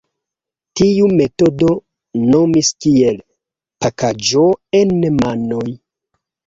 Tiu metodo nomis kiel "Pakaĵo en manoj".